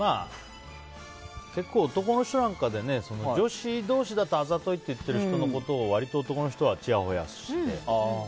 結構男の人なんかは女子同士だとあざといって言ってる人でも割と男の人は、ちやほやして。